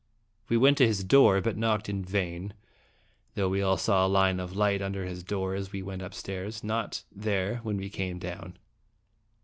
We went to his door, but knocked in vain, though we all saw a line of light under his door as we went upstairs, not there when we came down.